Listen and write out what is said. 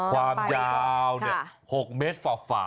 ความยาว๖เมตรฝ่า